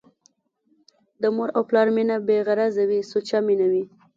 د مور او پلار مينه بې غرضه وي ، سوچه مينه وي